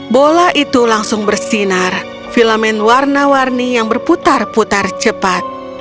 bola itu langsung bersinar filamen warna warni yang berputar putar cepat